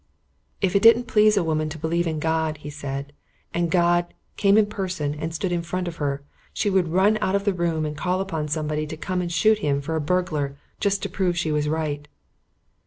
"If it didn't please a woman to believe in God," he said, "and God came in Person and stood in front of her, she would run out of the room and call upon somebody to come and shoot Him for a burglar, just to prove she was right."